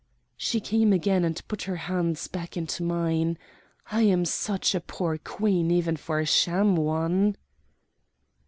She came again and put her hands back into mine. "I am such a poor Queen even for a sham one."